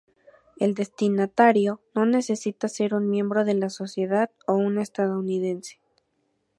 El destinatario no necesita ser un miembro de la Sociedad o un estadounidense.